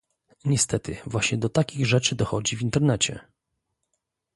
Niestety właśnie do takich rzeczy dochodzi w Internecie